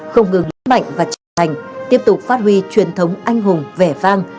không ngừng lãnh mạnh và trở thành tiếp tục phát huy truyền thống anh hùng vẻ vang